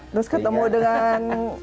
terus ketemu dengan